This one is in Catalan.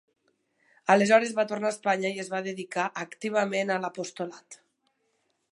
Aleshores va tornar a Espanya i es va dedicar activament a l'apostolat.